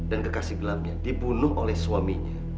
istri dan kekasih gelapnya dibunuh oleh suaminya